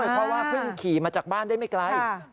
เพราะว่าเพิ่งขี่มาจากบ้านได้ไม่ไกล